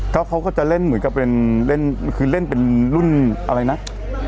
เขาก็จะเล่นเหมือนกับคือเล่นเป็นรุ่นนัก